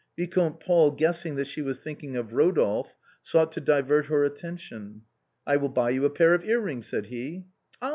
Vicomte Paul guessing that she was thinking of Rodolphe, sought to divert her attention, " I will buy you a pair of earrings," said he, "Ah